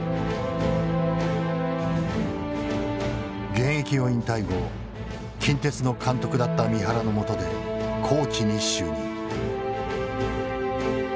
現役を引退後近鉄の監督だった三原のもとでコーチに就任。